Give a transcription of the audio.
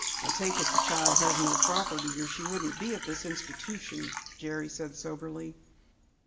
"I take it the child has no property or she wouldn't be at this institution," Jerry said soberly.